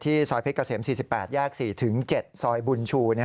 ซอยเพชรเกษม๔๘แยก๔๗ซอยบุญชู